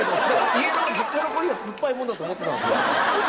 実家のコーヒーは酸っぱいもんだと思ってたんですよ。